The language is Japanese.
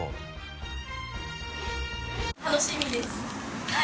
楽しみですはい。